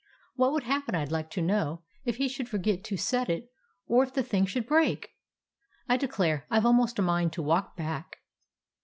What would hap pen, I 'd like to know, if he should forget to set it, or if the thing should break? I declare, I Ve almost a mind to walk back."